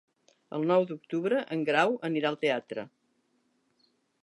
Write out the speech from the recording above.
El nou d'octubre en Grau anirà al teatre.